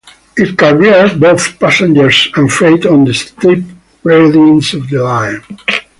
It carried both passengers and freight on the steep gradients of the line.